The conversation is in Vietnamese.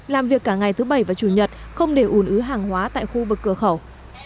làm việc cả ngày thứ bảy và chủ nhật không để ủn ứ hàng hóa tại khu vực cửa khẩu